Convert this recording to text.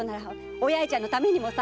お八重ちゃんのためにもさ。